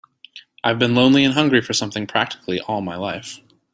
I've been lonely and hungry for something practically all my life.